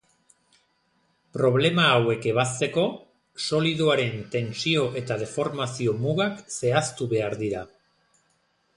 Problema hauek ebazteko, solidoaren tentsio- eta deformazio-mugak zehaztu behar dira.